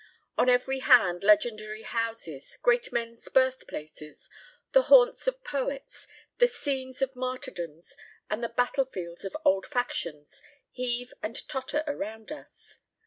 On every hand legendary houses, great men's birthplaces, the haunts of poets, the scenes of martyrdoms, and the battle fields of old factions, heave and totter around us.